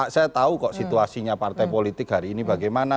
saya tahu kok situasinya partai politik hari ini bagaimana